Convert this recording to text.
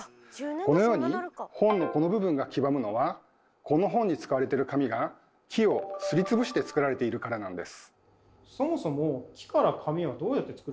このように本のこの部分が黄ばむのはこの本に使われてる紙が木をすりつぶして作られているからなんです。